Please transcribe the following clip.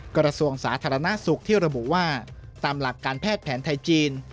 กระทรวงสาธารณสุขที่ระบุว่าตามหลักการแพทย์แผนไทยจีน